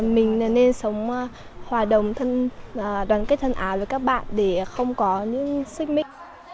mình nên sống hòa đồng đoàn kết thân áo với các bạn để không có những xích mít